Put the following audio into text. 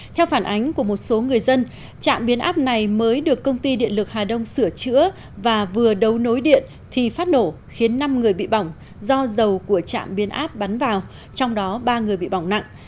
theo phản ánh của một số người dân trạm biến áp này mới được công ty điện lực hà đông sửa chữa và vừa đấu nối điện thì phát nổ khiến năm người bị bỏng do dầu của trạm biến áp bắn vào trong đó ba người bị bỏng nặng